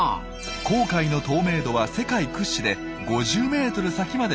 紅海の透明度は世界屈指で５０ｍ先まで見通せるほど。